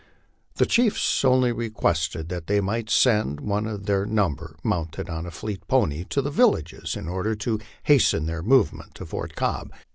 The chiefs only requested that they might send one of their number, mounted on a fleet pony, to the villages, in order to hasten their movement to Fort Cobb.